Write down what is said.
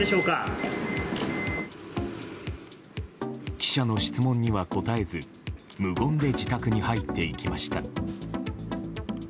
記者の質問には答えず無言で自宅に入っていきました。